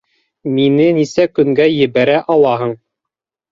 Мине нисә көнгә ебәрә алаһың?